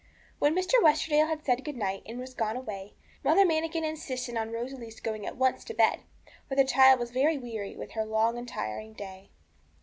When Mr. Westerdale had said good night and was gone away, Mother Manikin insisted on Rosalie's going at once to bed, for the child was very weary with her long and tiring day.